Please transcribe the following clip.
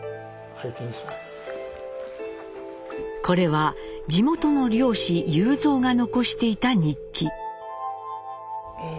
これは地元の漁師・勇蔵が残していた日記。